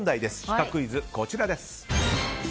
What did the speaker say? シカクイズ、こちらです。